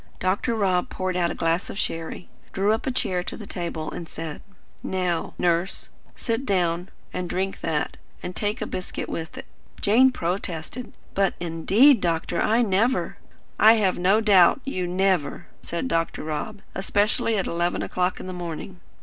Dr. Rob poured out a glass of sherry, drew up a chair to the table, and said: "Now, Nurse, sit down and drink that, and take a biscuit with it." Jane protested. "But, indeed, doctor, I never " "I have no doubt you 'never,'" said Dr. Rob, "especially at eleven o'clock in the morning.